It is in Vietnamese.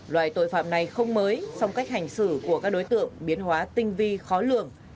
loại tội phạm này không mới song cách hành xử của các đối tượng biến hóa tinh vi khó lường